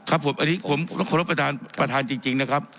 ครับผมอันนี้ผมขอรับประทานประทานจริงจริงนะครับ